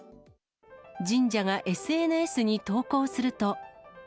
神社がＳＮＳに投稿すると。